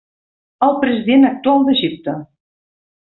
El president actual d'Egipte.